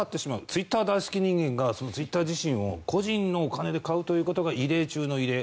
ツイッター大好き人間がツイッター自身を個人のお金で買うということが異例中の異例。